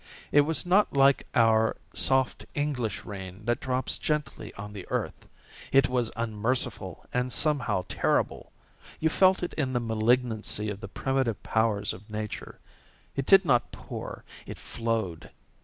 It was not like our soft English rain that drops gently on the earth; it was unmerciful and somehow terrible; you felt in it the malignancy of the primitive powers of nature. It did not pour, it flowed.